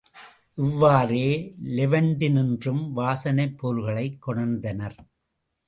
இவ்வாறே லெவண்டினின்றும் வாசனைப் பொருள்களைக் கொணர்ந்தனர்.